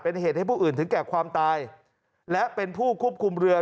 เป็นเหตุให้ผู้อื่นถึงแก่ความตายและเป็นผู้ควบคุมเรือ